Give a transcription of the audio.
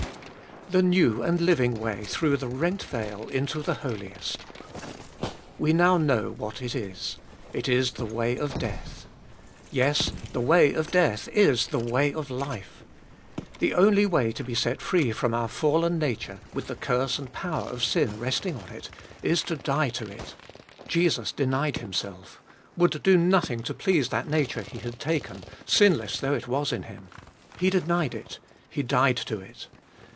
The new and living way through the rent veil into the Holiest. We now know what it is : it is the way of death. Yes, the way of death is the way of life. The only way to be set free from our fallen nature, with the curse and power of sin rest ing on it, is to die to it. Jesus denied Himself, would do nothing to please that nature He had taken, sinless though it was in Him. He denied it ; He died to it.